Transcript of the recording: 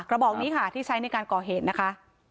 กระบองนี้ที่ใช้ในการก่อเหตุนะคะ